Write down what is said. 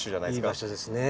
いい場所ですね。